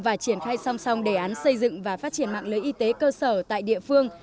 và triển khai song song đề án xây dựng và phát triển mạng lưới y tế cơ sở tại địa phương